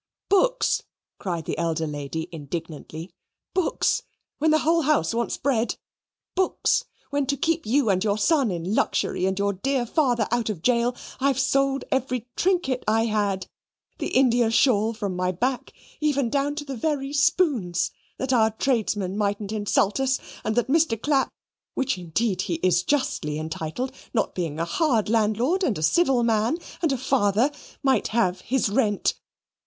"Books!" cried the elder lady indignantly, "Books, when the whole house wants bread! Books, when to keep you and your son in luxury, and your dear father out of gaol, I've sold every trinket I had, the India shawl from my back even down to the very spoons, that our tradesmen mightn't insult us, and that Mr. Clapp, which indeed he is justly entitled, being not a hard landlord, and a civil man, and a father, might have his rent.